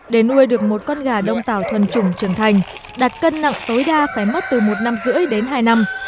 để nuôi được một con gà đông tảo thuần trùng trưởng thành đạt cân nặng tối đa phải mất từ một năm rưỡi đến hai năm